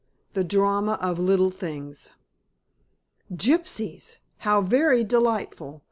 THE DRAMA OF LITTLE THINGS. "Gypsies! How very delightful!